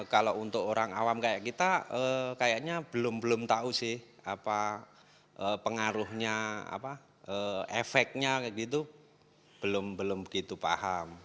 kalau untuk orang awam kayak kita kayaknya belum tahu sih pengaruhnya efeknya gitu belum begitu paham